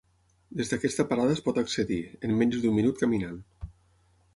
Des d'aquesta parada es pot accedir, en menys d'un minut caminant.